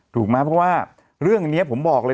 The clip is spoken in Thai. ถูกไหมเพราะว่าเรื่องนี้ผมบอกเลย